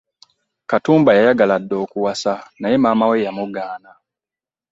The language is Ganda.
Katumba yayagala dda okuwasa naye maama we yamugaana.